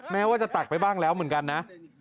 แม้ว่าจะตักไปบ้างแล้วเหมือนกันนะ